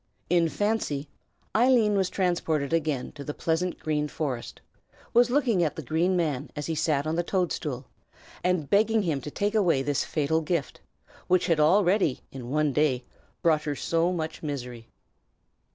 In fancy, Eileen was transported again to the pleasant green forest; was looking at the Green Man as he sat on the toadstool, and begging him to take away this fatal gift, which had already, in one day, brought her so much misery.